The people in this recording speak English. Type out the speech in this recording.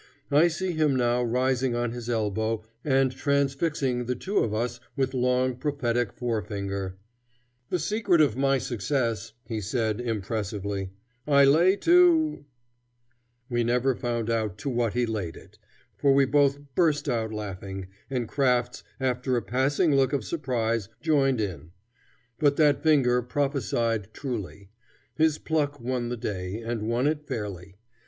I see him now rising on his elbow and transfixing the two of us with long, prophetic forefinger: "The secret of my success," he said, impressively, "I lay to " We never found out to what he laid it, for we both burst out laughing, and Crafts, after a passing look of surprise, joined in. But that finger prophesied truly. His pluck won the day, and won it fairly.